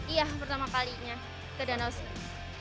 iya pertama kalinya ke danau sendiri